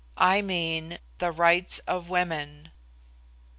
I mean, the Rights of Women.